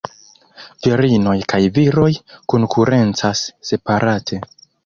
Virinoj kaj viroj konkurencas separate.